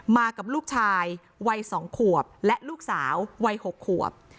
มากับลูกชายวัย๒ขวบและลูกสาววัย๖ขวบ